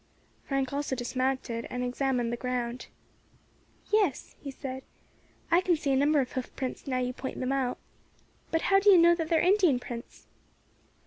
Frank also dismounted and examined the ground. "Yes," he said, "I can see a number of hoof prints now you point them out. But how do you know that they are Indian prints?"